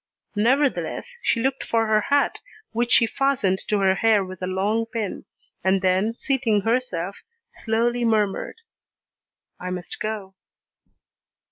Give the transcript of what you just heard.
Nevertheless, she looked for her hat which she fastened to her hair with a long pin, and then seating herself, slowly murmured: "I must go."